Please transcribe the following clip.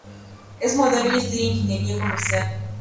Es modelo y estudia ingeniería comercial.